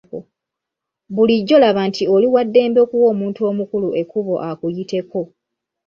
Bulijjo laba nti oli wa ddembe okuwa omuntu omukulu ekkubo akuyiteko.